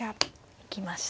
行きました。